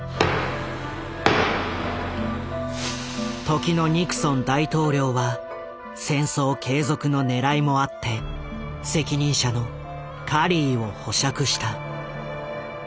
時のニクソン大統領は戦争継続のねらいもあって責任者のカリーを保釈した。